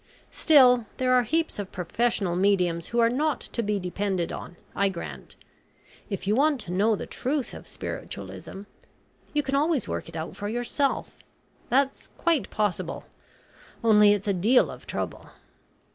Still there are heaps of professional mediums who are not to be depended on, I grant. If you want to know the truth of spiritualism, you can always work it out for yourself. That's quite possible, only it's a deal of trouble."